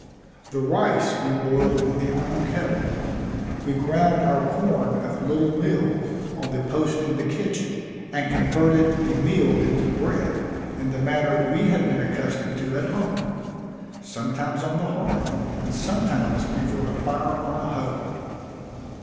The rice we boiled in the iron kettle we ground our corn at the little mill on the post in the kitchen, and converted the meal into bread, in the manner we had been accustomed to at home sometimes on the hearth, and sometimes before the fire on a hoe.